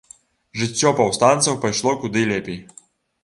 Жыццё паўстанцаў пайшло куды лепей.